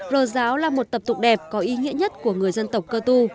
rờ giáo là một tập tục đẹp có ý nghĩa nhất của người dân tộc cơ tu